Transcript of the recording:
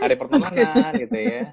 hari pertemanan gitu ya